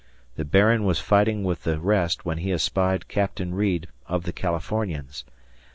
The Baron was fighting with the rest when he espied Captain Reid of the Californians.